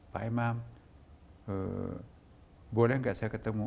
pak imam boleh nggak saya ketemu